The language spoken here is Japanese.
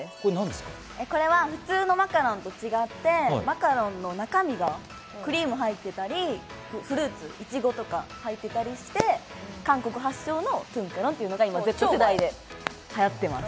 これは普通のマカロンと違ってマカロンの中身にクリームが入ってたり、フルーツ、いちごとかが入ってたりして、韓国発祥のトゥンカロンっていうのがＺ世代で流行ってます。